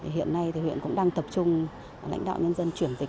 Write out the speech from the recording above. hiện nay huyện cũng đang tập trung lãnh đạo nhân dân chuyển dịch